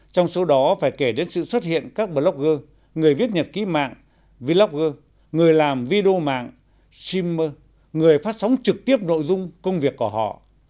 trong số đó phải kể đến sự xuất hiện các blogger người viết nhật ký mạng vlogger người làm video mạng streamer người phát sóng trực tiếp nội dung công việc của họ